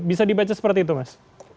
bisa dibaca seperti itu mas